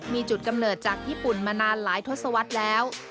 มีจุดกำเนิดจากญี่ปุ่นมานานหลายทศวรรษแล้ว